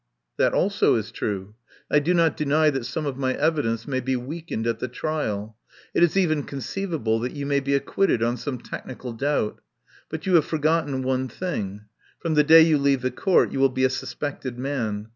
"That also is true. I do not deny that some of my evidence may be weakened at the trial. It is even conceivable that you may be ac quitted on some technical doubt. But you have forgotten one thing. From the day you leave the Court you will be a suspected man.